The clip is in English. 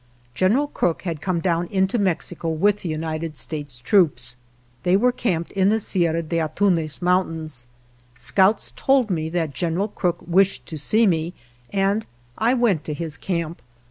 General Crook had come down into Mex ico with the United States troops. They were camped in the Sierra de Antunez Mountains. Scouts told me that General Crook wished to see me and I went to his camp.